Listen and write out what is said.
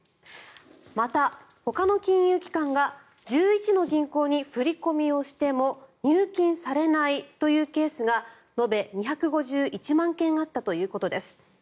また、ほかの金融機関が１１の銀行に振り込みをしても入金されないというケースが延べ２５１万件あったということです。